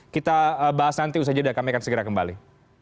kita bahas nanti usaha jeda kami akan segera kembali